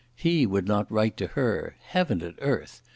He would not write to her. Heaven and earth!